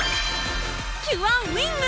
キュアウィング！